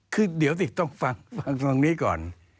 คือเดี๋ยวสิต้องฟังฟังตรงนี้ก่อน